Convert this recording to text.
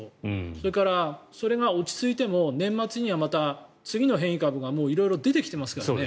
それから、それが落ち着いても年末にはまた次の変異株が色々出てきてますから。